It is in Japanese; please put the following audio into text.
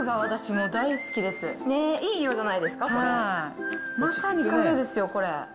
ねえ、まさにカフェですよ、これ。